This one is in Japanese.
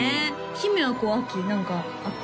姫はこう秋に何かあった？